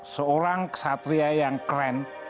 seorang ksatria yang keren